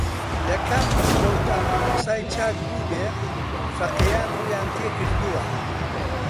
لە کام مزگەوتدا مامۆستای چاک بووبێ فەقێکان ڕوویان تێکردووە